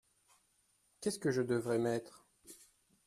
Qu’est-ce que je devrais mettre ?